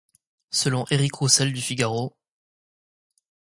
Selon Eric Roussel du Figaro,